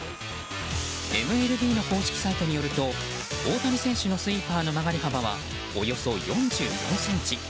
ＭＬＢの公式サイトによると大谷選手のスイーパーの曲がり幅は、およそ４４ｃｍ。